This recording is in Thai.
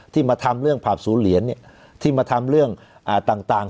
ที่มาทำเรื่องผับสูญเหรียญเนี่ยที่มาทำเรื่องอ่าต่าง